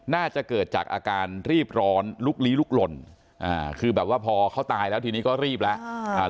น่าจะเกิดจากอาการรีบร้อนลุกลี้ลุกหล่นอ่าคือแบบว่าพอเขาตายแล้วทีนี้ก็รีบแล้ว